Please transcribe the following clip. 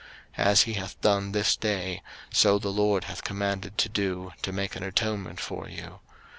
03:008:034 As he hath done this day, so the LORD hath commanded to do, to make an atonement for you.